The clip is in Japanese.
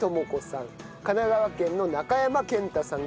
神奈川県の中山健太さん